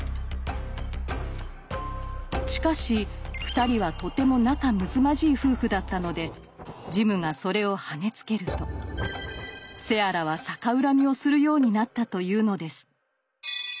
しかし２人はとても仲むつまじい夫婦だったのでジムがそれをはねつけるとセアラは逆恨みをするようになったというのです。